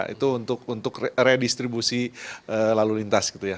itu untuk redistribusi lalu lintas